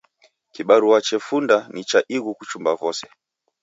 Kibarua chefunda ni cha ighu kuchumba vose.